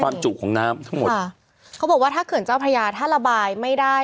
จุของน้ำทั้งหมดค่ะเขาบอกว่าถ้าเขื่อนเจ้าพระยาถ้าระบายไม่ได้